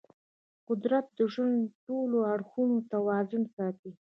قدرت د ژوند د ټولو اړخونو توازن ساتي.